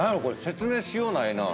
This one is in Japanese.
説明しようないな。